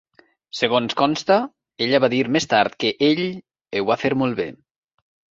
Segons consta, ella va dir més tard que ell "ho va fer molt bé".